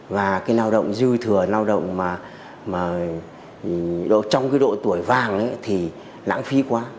và cái lao động dư thừa lao động trong độ tuổi vàng thì lãng phí quá